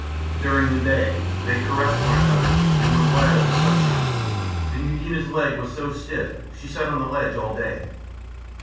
During the day they caressed one another and were glad of the sunshine, and Eudena's leg was so stiff she sat on the ledge all day.